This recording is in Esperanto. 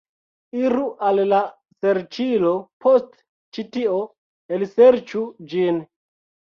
Iru al la serĉilo, post ĉi tio, elserĉu ĝin